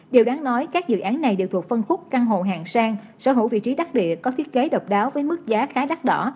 điều đáng nói các dự án này đều thuộc phân khúc căn hộ hạng sang sở hữu vị trí đắc địa có thiết kế độc đáo với mức giá khá đắt đỏ